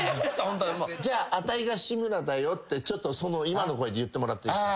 じゃあ「あたいが志村だよ」って今の声で言ってもらっていいっすか？